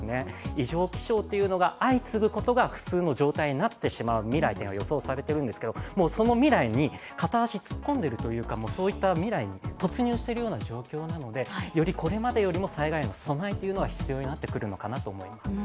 異常気象というのが相次ぐことが普通の状態になってしまう未来というのが予想されているんですけどその未来に片足突っ込んでいるというかそういった未来に突入しているような状況なので、これまでよりも災害への備えが必要になってくると思います。